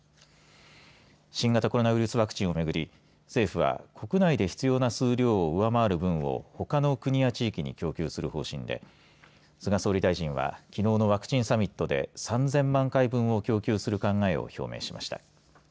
新型コロナウイルスワクチンをめぐり政府は国内で必要の数量を上回る分をほかの国や地域に供給する方針で菅総理大臣はきのうのワクチン・サミットで３０００万回分を供給する考えを表明しました。